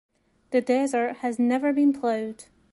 The desert has never been ploughed.